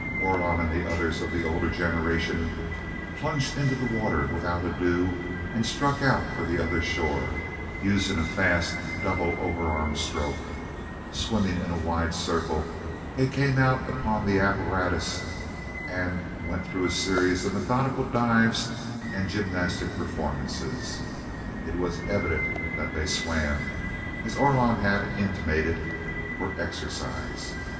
Orlon and the others of the older generation plunged into the water without ado and struck out for the other shore, using a fast double overarm stroke. Swimming in a wide circle they came out upon the apparatus and went through a series of methodical dives and gymnastic performances. It was evident that they swam, as Orlon had intimated, for exercise.